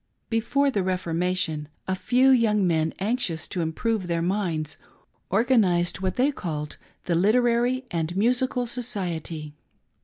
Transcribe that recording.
Before the " Reformation " a few young men anxious to improve their minds, organised what they called the " Liter ary and Musical Society."